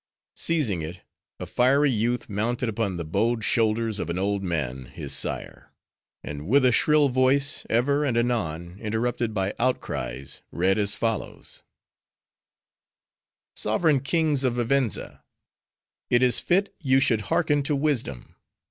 Seizing it, a fiery youth mounted upon the bowed shoulders of an old man, his sire; and with a shrill voice, ever and anon interrupted by outcries, read as follows:— "Sovereign kings of Vivenza! it is fit you should hearken to wisdom.